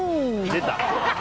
出た！